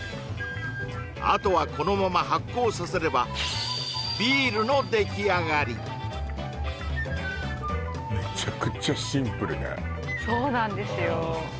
あとはこのまま発酵させればビールのできあがりそうなんですよ